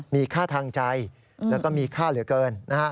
มีค่าทางใจแล้วก็มีค่าเหลือเกิน